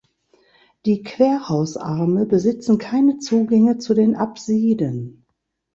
Die Querhausarme besitzen keine Zugänge zu den Apsiden.